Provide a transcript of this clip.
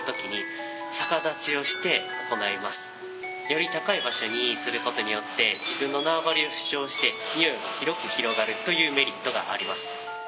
より高い場所にすることによって自分の縄張りを主張して匂いを広く広がるというメリットがあります。